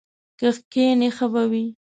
که کښېنې ښه به وي!